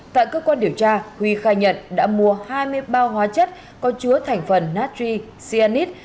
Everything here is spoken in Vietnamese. tại cơ quan điều tra huy khai nhận đã mua hai mươi bao hóa chất có chứa thành phần natry cnnite